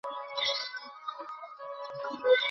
ওয়াহশী দূরে দাঁড়িয়েই তার শরীরের নড়াচড়া প্রত্যক্ষ করতে থাকে।